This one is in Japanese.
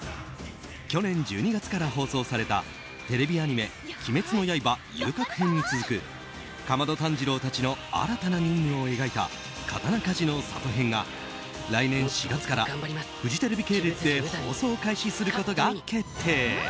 去年１２月から放送されたテレビアニメ「鬼滅の刃“遊郭編”」に続く竈門炭治郎たちの新たな任務を描いた「刀鍛冶の里編」が来年４月からフジテレビ系列で放送開始することが決定。